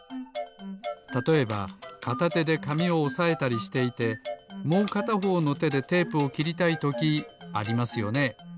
たとえばかたてでかみをおさえたりしていてもうかたほうのてでテープをきりたいときありますよね。